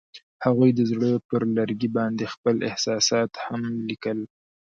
هغوی د زړه پر لرګي باندې خپل احساسات هم لیکل.